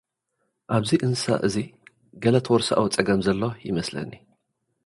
ኣብዚ እንስሳ'ዚ ገለ ተወርሶኣዊ ጸገም ዘሎ ይመስል።